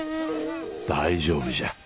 大丈夫じゃ。